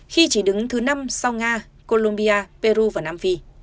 khi chỉ đứng thứ năm sau nga colombia peru và nam phi